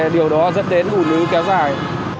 điều đó dẫn đến hủ lưu kéo dài